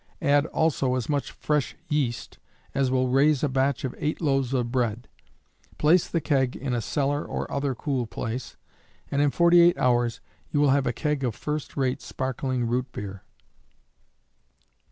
Add also as much fresh yeast as will raise a batch of 8 loaves of bread. Place the keg in a cellar or other cool place, and in 48 hours you will have a keg of first rate sparkling root beer.